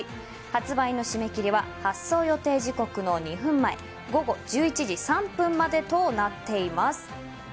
発売の締め切りは発走予定時刻の２分前午後１１時３分までとなっています。